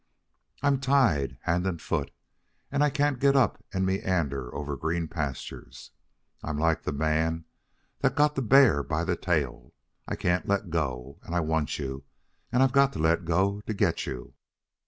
I'm tied hand and foot, and I can't get up and meander over green pastures. I'm like the man that got the bear by the tail. I can't let go; and I want you, and I've got to let go to get you.